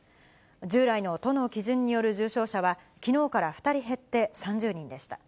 従来の都の基準による重症者は、きのうから２人減って３０人でした。